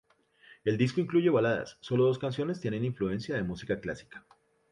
El disco incluye baladas, sólo dos canciones tienen influencia de música clásica.